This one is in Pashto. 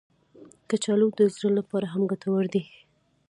کچالو د زړه لپاره هم ګټور دي